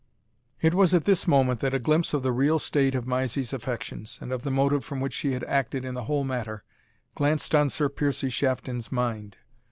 It was at this moment that a glimpse of the real state of Mysie's affections, and of the motive from which she had acted in the whole matter, glanced on Sir Piercie Shafton's mind.